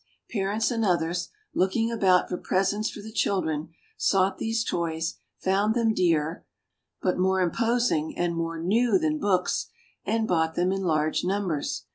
Parents and others, looking about for presents for the children, sought these toys, found them dear, but more im posing, and more ''new" than books, and bought them in large numbers.